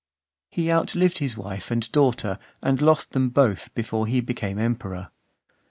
He outlived his wife and daughter, and lost them both before he became emperor.